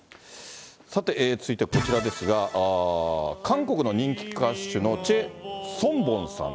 さて、続いてこちらですが、韓国の人気歌手のチェ・ソンボンさん。